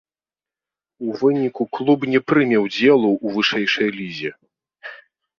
У выніку клуб не прыме ўдзелу ў вышэйшай лізе.